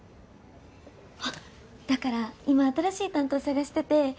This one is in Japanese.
あっだから今新しい担当探してて。